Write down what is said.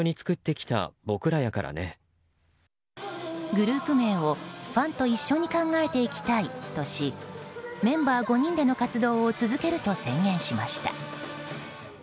グループ名を、ファンと一緒に考えていきたいとしメンバー５人での活動を続けると宣言しました。